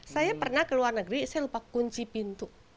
saya pernah ke luar negeri saya lupa kunci pintu